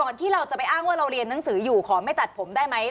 ที่เราจะไปอ้างว่าเราเรียนหนังสืออยู่ขอไม่ตัดผมได้ไหม